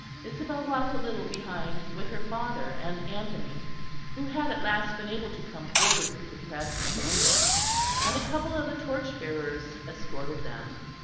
Isabel walked a little behind with her father and Anthony, who had at last been able to come forward through the press and join them; and a couple of the torchbearers escorted them.